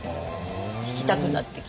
弾きたくなってきた。